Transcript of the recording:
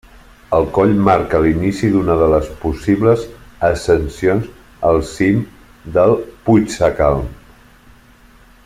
El coll marca l'inici d'una de les possibles ascensions al cim del Puigsacalm.